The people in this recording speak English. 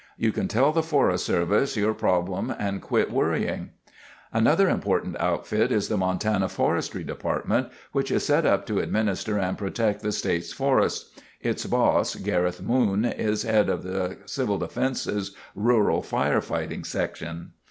"You can tell the Forest Service your problem and quit worrying. "Another important outfit is the Montana Forestry Department, which is set up to administer and protect the state's forests. Its boss, Gareth Moon, is head of the CD's Rural Firefighting Section.